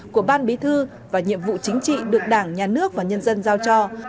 của ban bí thư và nhiệm vụ chính trị được đảng nhà nước và nhân dân giao cho